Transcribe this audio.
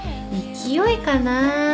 勢いかな。